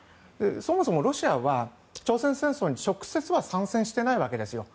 そもそもロシアは朝鮮戦争に直接は参戦してないわけですよ。